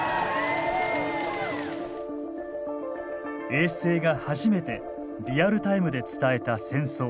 衛星が初めてリアルタイムで伝えた戦争。